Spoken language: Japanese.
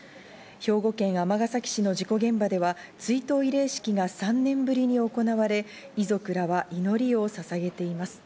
兵庫県尼崎市の事故現場では追悼慰霊式が３年ぶりに行われ、遺族らは祈りをささげています。